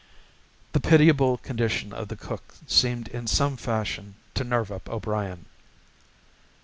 The pitiable condition of the cook seemed in some fashion to nerve up O'Brien.